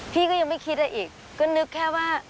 พี่ก็ยังไม่คิดอะไรอีกก็นึกแค่ว่า